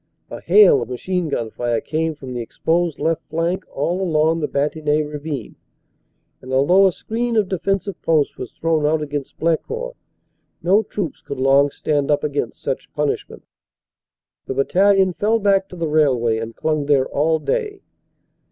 A hail of machine gun fire came from the exposed left flank all along the Bantigny Ravine, and although a screen of defensive posts was thrown out against Blecourt, no troops 18 258 CANADA S HUNDRED DAYS could long stand up against such punishment. The battalion fell back to the railway and clung there all day.